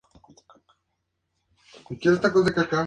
Se retiró del fútbol en el fútbol italiano.